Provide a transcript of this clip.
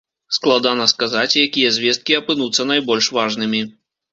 Складана сказаць, якія звесткі апынуцца найбольш важнымі.